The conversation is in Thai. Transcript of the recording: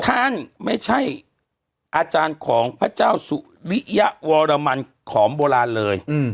ท่านไม่ใช่อาจารย์ของพระเจ้าสุริยวรมันขอมโบราณเลย